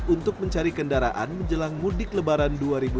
untuk mencari kendaraan menjelang mudik lebaran dua ribu dua puluh